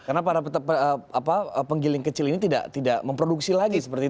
karena para peta apa penggiling kecil ini tidak memproduksi lagi seperti itu ya